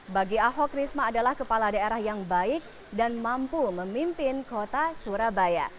bagi ahok risma adalah kepala daerah yang baik dan mampu memimpin kota surabaya